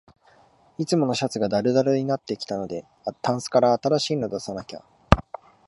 いつものシャツがだるだるになってきたので、タンスから新しいの出さなきゃ